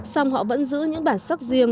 xong họ vẫn giữ những bản sắc riêng